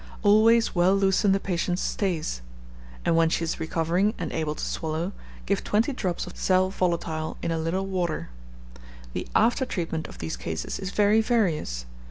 Always well loosen the patient's stays; and, when she is recovering, and able to swallow, give 20 drops of sal volatile in a little water. The after treatment of these cases is very various.